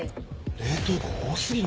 冷凍庫多過ぎるな。